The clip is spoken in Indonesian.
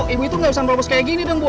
ibu itu gak usah merobos kayak gini bu